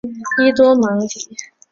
伊多芒迪。